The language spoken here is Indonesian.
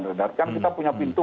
redar kan kita punya pintu